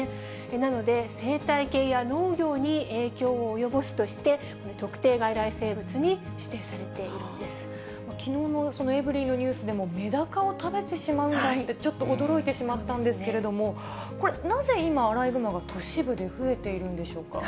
なので、生態系や農業に影響を及ぼすとして、特定外来生物に指定されていきのうのエブリィのニュースでも、メダカを食べてしまうなんて、ちょっと驚いてしまったんですけれども、これ、なぜ今、アライグマが都市部で増えているんでしょうか。